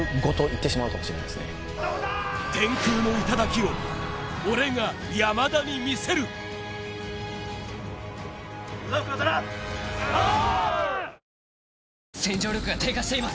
天空の頂を俺が山田に見せるおーっ！